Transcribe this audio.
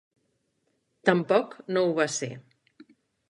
Tampoc no ho va ser.